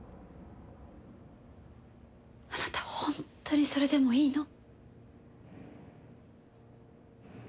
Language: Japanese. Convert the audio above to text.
あなた本当にそれでもいいの？